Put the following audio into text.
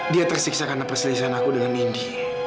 dia tersiksa karena perselisahan aku dengan indy